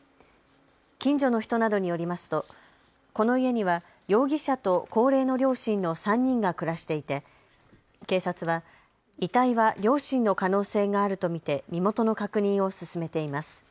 近所の人などによりますとこの家には容疑者と高齢の両親の３人が暮らしていて警察は遺体は両親の可能性があると見て身元の確認を進めています。